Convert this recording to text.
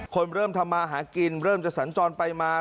คนเริ่มทำมาหากินเริ่มจะสัญจรไปมา